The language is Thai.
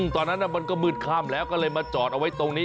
ตอนนั้นมันก็มืดค่ำแล้วก็เลยมาจอดเอาไว้ตรงนี้